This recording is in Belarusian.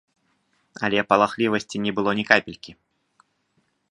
Але палахлівасці не было ні капелькі.